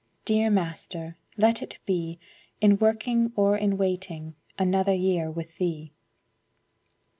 Dear Master, let it be In working or in waiting, Another year with Thee.